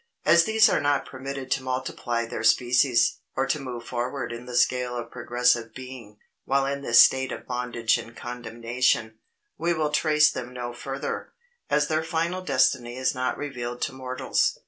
As these are not permitted to multiply their species, or to move forward in the scale of progressive being, while in this state of bondage and condemnation, we will trace them no further, as their final destiny is not revealed to mortals.